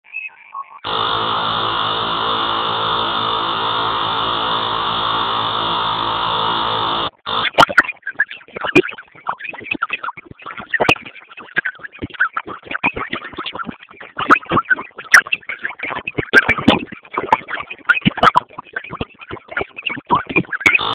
Arrangements by Nelson Riddle.